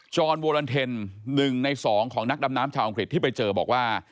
อนโวลันเทน๑ใน๒ของนักดำน้ำชาวอังกฤษที่ไปเจอบอกว่า